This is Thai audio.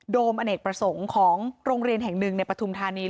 อเนกประสงค์ของโรงเรียนแห่งหนึ่งในปฐุมธานี